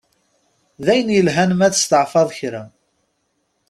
D ayen yelhan ma testeɛfaḍ kra.